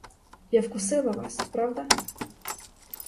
Я вкусила вас, правда?